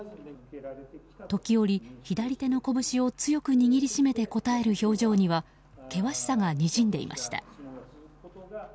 時折、左の手の拳を強く握りしめて答える表情には険しさがにじんでいました。